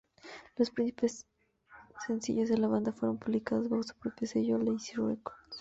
Los primeros sencillos de la banda fueron publicados bajo su propio sello Lazy Records.